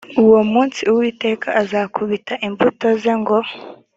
uwo munsi uwiteka azakubita imbuto ze ngo